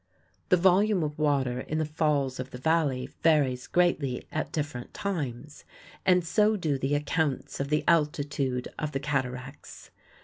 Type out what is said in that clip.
The volume of water in the falls of the Valley varies greatly at different times and so do the accounts of the altitude of the cataracts.